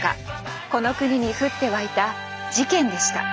この国にふってわいた事件でした。